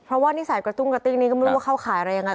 เพราะว่านิสัยกระตุ้งกระติ้งนี้ก็ไม่รู้ว่าเข้าข่ายอะไรยังไง